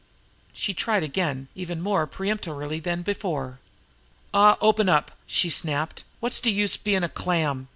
She tried again even more peremptorily than before. "Aw, open up!" she snapped. "Wot's de use bein' a clam!